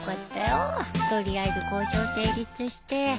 取りあえず交渉成立して。